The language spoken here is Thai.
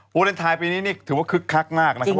วาเลนไทยปีนี้นี่ถือว่าคึกคักมากนะครับ